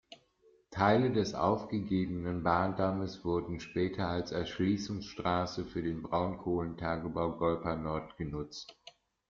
Teile des aufgegebenen Bahndammes wurden später als Erschließungsstraße für den Braunkohlentagebau Golpa-Nord genutzt.